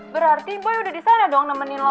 berarti boy udah disana dong nemenin lo